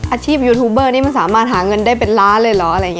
อาชีพยูทูเบอร์นี่มันสามารถหาเงินได้เป็นล้านเลยเหรอ